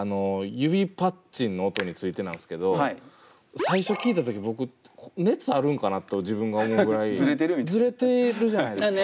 指パッチンの音についてなんですけど最初聴いた時僕熱あるんかなと自分が思うぐらいズレているじゃないですか。